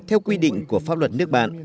theo quy định của pháp luật nước bạn